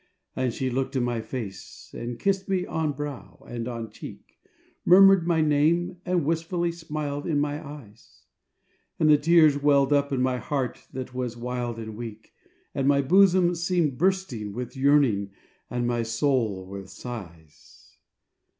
And she looked in my face and kissed me on brow and on cheek, Murmured my name and wistfully smiled in my eyes; And the tears welled up in my heart that was wild and weak, And my bosom seemed bursting with yearning and my soul with sighs.